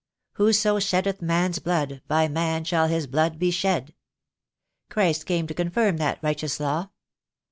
' Whoso sheddeth man's blood, by man shall his blood be shed.' Christ came to con firm that righteous law.